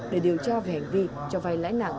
để điều tra về hành vi cho vay lãi nặng